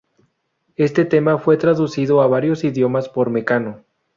Este tema fue traducido a varios idiomas por Mecano.